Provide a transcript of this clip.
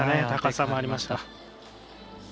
高さもありました。